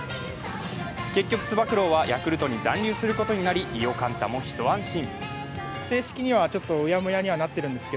結局、つば九郎はヤクルトに残留することになり、伊予柑太も一安心。